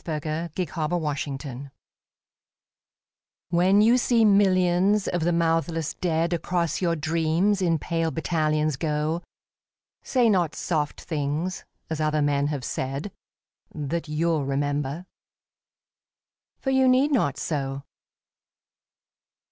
XCI The Army of Death WHEN you see millions of the mouthless dead Across your dreams in pale battalions go, Say not soft things as other men have said, That you'll remember. For you need not so.